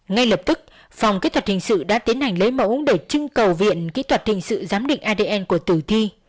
ngay lập tức phòng kỹ thuật hình sự đã tiến hành lấy mẫu để trưng cầu viện kỹ thuật hình sự giám định adn của tử thi